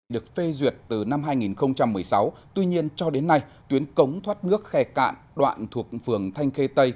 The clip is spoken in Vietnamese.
được phê duyệt từ năm hai nghìn một mươi sáu tuy nhiên cho đến nay tuyến cống thoát nước khe cạn đoạn thuộc phường thanh khê tây